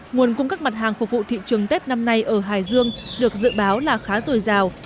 nguồn cung cung các mặt hàng phục vụ thị trường tết năm nay ở hải dương được dự báo là khá rồi rào